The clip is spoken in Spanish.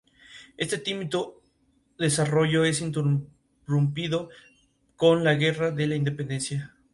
La situación ha sido motivo de controversia, especialmente en el caso de los niños.